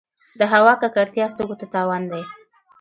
د هوا ککړتیا سږو ته تاوان دی.